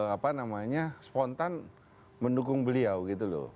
apa namanya spontan mendukung beliau gitu loh